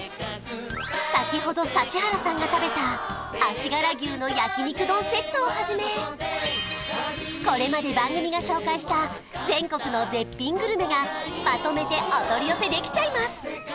先ほど指原さんが食べた足柄牛の焼肉丼セットをはじめこれまで番組が紹介した全国の絶品グルメがまとめてお取り寄せできちゃいます